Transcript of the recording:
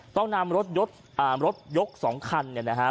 ต้องนำรถยกสองคันเนี่ยนะฮะ